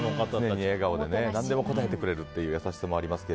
いつも笑顔で何でも答えてくれるという優しさがありますが。